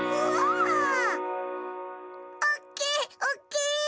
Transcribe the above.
おっきい！